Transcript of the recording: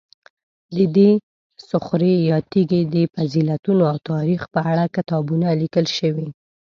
د دې صخرې یا تیږې د فضیلتونو او تاریخ په اړه کتابونه لیکل شوي.